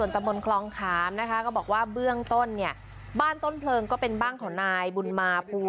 นัยยบงรบหน้ามหารส่วนธรรมกรองคามนะคะ